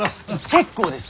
結構です！